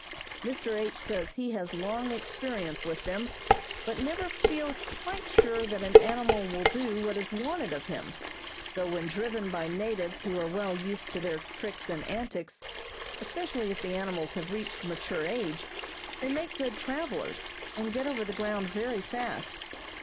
Mr. H. says he has long experience with them, but never feels quite sure that an animal will do what is wanted of him, though when driven by natives who are well used to their tricks and antics, especially if the animals have reached mature age, they make good travelers, and get over the ground very fast.